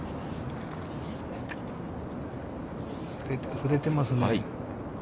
振れてますね。